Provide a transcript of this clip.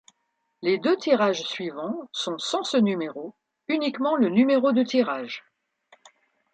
Les deux tirages suivants sont sans ce numéro, uniquement le numéro de tirage.